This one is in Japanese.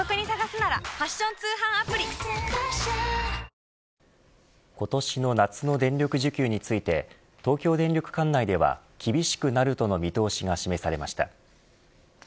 最高の渇きにＤＲＹ今年の夏の電力需給について東京電力管内では厳しくなるとの見通しが示されました。